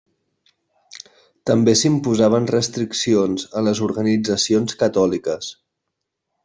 També s'imposaven restriccions a les organitzacions catòliques.